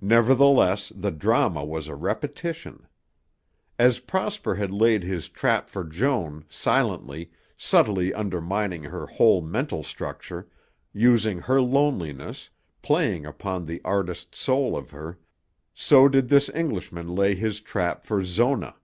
Nevertheless, the drama was a repetition. As Prosper had laid his trap for Joan, silently, subtly undermining her whole mental structure, using her loneliness, playing upon the artist soul of her, so did this Englishman lay his trap for Zona.